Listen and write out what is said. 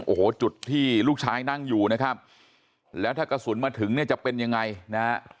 โอ้โหจุดที่ลูกชายนั่งอยู่นะครับแล้วถ้ากระสุนมาถึงเนี่ยจะเป็นยังไงนะฮะ